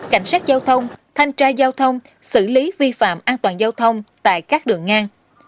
cảnh sát giao thông thanh tra giao thông xử lý vi phạm an toàn giao thông tại các đường ngang